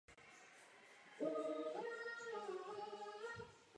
Zastával post starosty Uherského Hradiště.